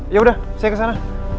ya udah saya kesana